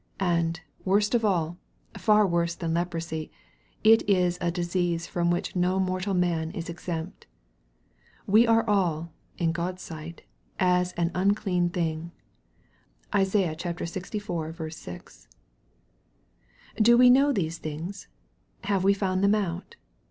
And, worst of all, far worse than leprosy, it is a disease from which no mortal man is exempt. " We are all," in God's sight, "as an unclean thing." (Isaiah Ixiv. 6.) Do we know these things ? Have we found them out